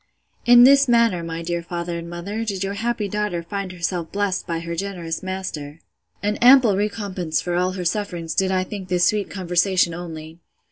In this manner, my dear father and mother, did your happy daughter find herself blessed by her generous master! An ample recompense for all her sufferings did I think this sweet conversation only.